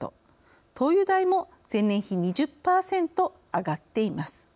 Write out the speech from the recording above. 灯油代も前年比２０％上がっています。